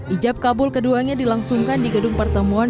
ijab kabul keduanya dilangsungkan di gedung pertemuan